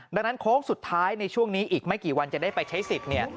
ดังนั้นโค้งสุดท้ายในช่วงนี้อีกไม่กี่วันจะได้ไปใช้สิทธิ์เนี่ย